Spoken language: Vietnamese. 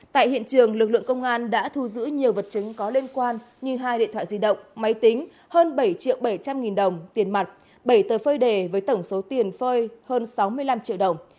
tại hiện trường lực lượng công an đã thu giữ nhiều vật chứng có liên quan như hai điện thoại di động máy tính hơn bảy triệu bảy trăm linh nghìn đồng tiền mặt bảy tờ phơi đề với tổng số tiền phơi hơn sáu mươi năm triệu đồng